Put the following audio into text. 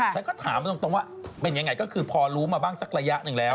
ฉันก็ถามตรงว่าเป็นยังไงก็คือพอรู้มาบ้างสักระยะหนึ่งแล้ว